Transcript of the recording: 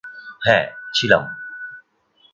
হ্যাঁ, ছিলাম।